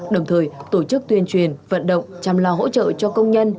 đồng thời tổ chức tuyên truyền vận động chăm lo hỗ trợ cho công nhân